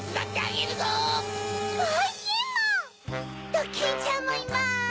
ドキンちゃんもいます。